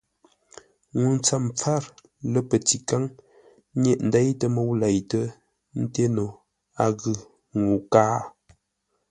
Ŋuu ntsəm pfǎr, lə́ pətikáŋ nyêʼ ndêitə́ mə́u leitə́, ńté no a ghʉ̂ ŋuu kâa.